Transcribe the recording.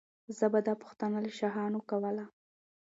زه به دا پوښتنه له شاهانو کوله.